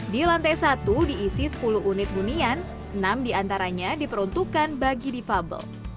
di lantai satu diisi sepuluh unit hunian enam diantaranya diperuntukkan bagi difabel